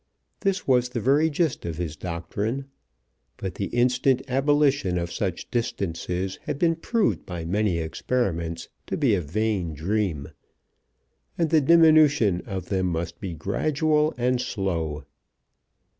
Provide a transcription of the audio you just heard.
This was the very gist of his doctrine; but the instant abolition of such distances had been proved by many experiments to be a vain dream, and the diminution of them must be gradual and slow.